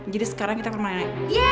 jadi sekarang kita ke nene